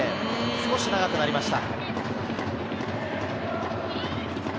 少し長くなりました。